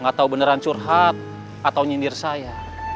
gak tau beneran curhat atau nyindir saya